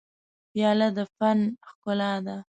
پیاله د فن ښکلا ده.